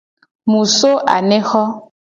Mu so anexo.